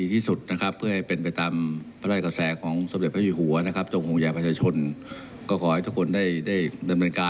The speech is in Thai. มีความพึงพอใจให้ประชาชนมีความสุขให้มากที่สุดนะครับ